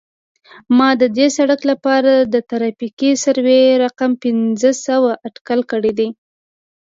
ما د دې سرک لپاره د ترافیکي سروې رقم پنځه سوه اټکل کړی دی